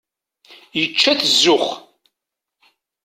Yečča-t zzux.